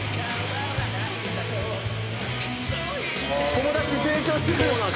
「友達成長してるやん」